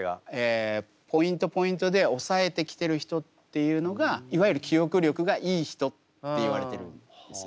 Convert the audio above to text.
ポイントで押さえてきてる人っていうのがいわゆる記憶力がいい人っていわれてるんですね。